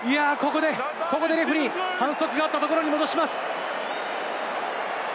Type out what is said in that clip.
ここでレフェリー反則があったところに戻します。